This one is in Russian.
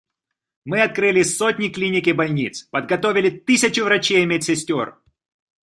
Мы открыли сотни клиник и больниц, подготовили тысячи врачей и медсестер.